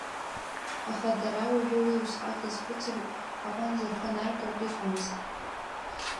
Аха дара уажәы уи усҟак иазхәыцыртә аҟынӡа рхы наргартә иҟамызт.